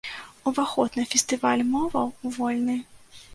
Уваход на фестываль моваў вольны.